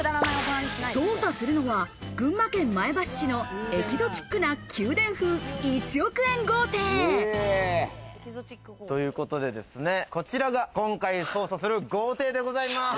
捜査するのは群馬県前橋市のエキゾチックな宮殿風１億円豪邸。ということで、こちらが今回、捜査する豪邸でございます。